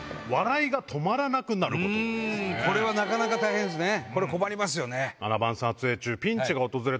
これはなかなか大変です困りますよね。